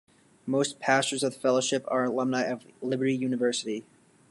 Most pastors of the Fellowship are alumni of Liberty University.